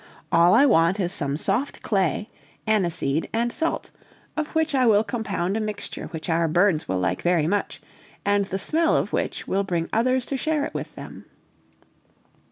All I want is some soft clay, aniseed, and salt, of which I will compound a mixture which our birds will like very much, and the smell of which will bring others to share it with them."